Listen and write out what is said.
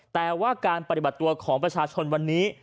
แต่ว่าการปฏิบัติตัวของประชาชนวันนี้